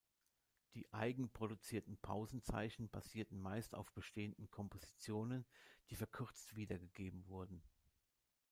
Die eigenproduzierten Pausenzeichen basierten meist auf bestehenden Kompositionen, die verkürzt wiedergegeben wurden.